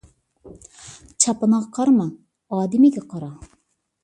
چاپىنىغا قارىما، ئادىمىگە قارا